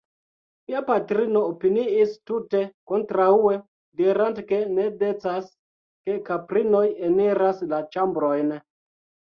Mia patrino opiniis tute kontraŭe, dirante ke ne decas, ke kaprinoj eniras la ĉambrojn.